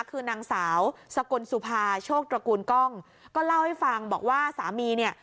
คือนางสาวสกลสุภาโชคตระกูลกล้องก็เล่าให้ฟังบอกว่าสามีเนี่ย